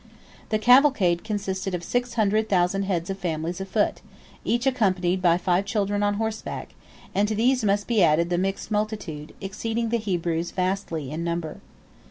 The cavalcade consisted of six hundred thousand heads of families afoot, each accompanied by five children on horseback, and to these must be added the mixed multitude, exceeding the Hebrews vastly in number.